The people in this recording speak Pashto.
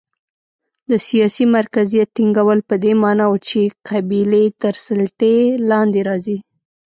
د سیاسي مرکزیت ټینګول په دې معنا و چې قبیلې تر سلطې لاندې راځي.